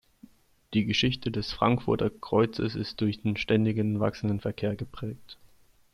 Die Geschichte des Frankfurter Kreuzes ist durch den ständig wachsenden Verkehr geprägt.